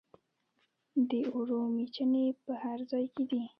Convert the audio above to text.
د اوړو میچنې په هر ځای کې دي.